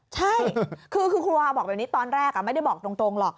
ใช่คือครูวาบอกแบบนี้ตอนแรกไม่ได้บอกตรงหรอก